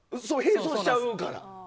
並走しちゃうから。